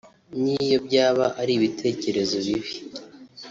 niyo byaba ari ibitekerezo bibi